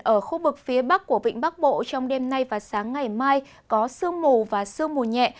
ở khu vực phía bắc của vịnh bắc bộ trong đêm nay và sáng ngày mai có sương mù và sương mù nhẹ